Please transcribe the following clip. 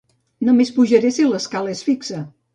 Només pujaré si l'escala és fixa.